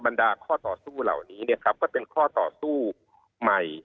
ดาข้อต่อสู้เหล่านี้เนี่ยครับก็เป็นข้อต่อสู้ใหม่